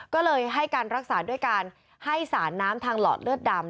ก็เลยให้การรักษาด้วยการให้สารน้ำทางหลอดเลือดดำ